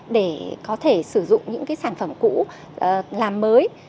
để có thể sử dụng những cái sản phẩm cũ làm mới